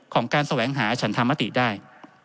ของการแสวงหาฉันธรรมติได้